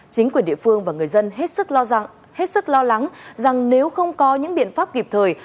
chính quyền địa phương và người dân hết sức lo lắng rằng nếu không có những biện pháp kịp thời